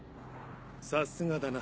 さすがだな。